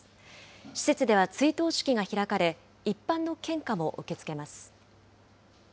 施設では追悼式が開かれ、一般の献花も受け付けます。